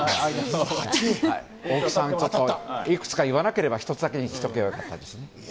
大木さん、いくつか言わなければ１つだけにしとけば良かったです。